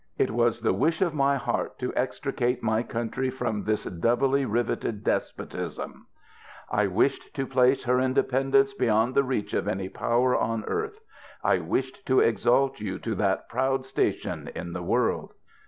It was the wish of my heart to extricate my country from this doubly riveted despotism. I wished to place her independence beyond the reach of any power on earth ; I wished to exalt you to that proud station in the world.